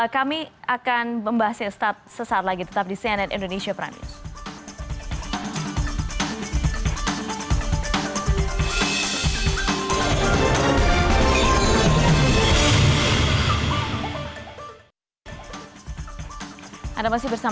kami akan membahasnya sesaat lagi tetap di cnn indonesia prime news